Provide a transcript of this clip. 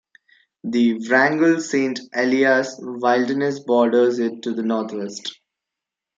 The Wrangell-Saint Elias Wilderness borders it to the northwest.